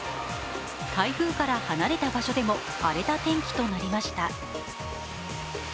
台風から離れた場所でも荒れた天気となりました。